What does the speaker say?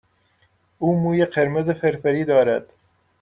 او موی قرمز فرفری دارد.